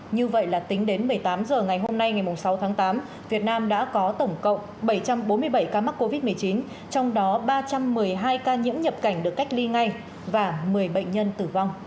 như vậy là tính đến một mươi tám h ngày hôm nay ngày sáu tháng tám việt nam đã có tổng cộng bảy trăm bốn mươi bảy ca mắc covid một mươi chín trong đó ba trăm một mươi hai ca nhiễm nhập cảnh được cách ly ngay và một mươi bệnh nhân tử vong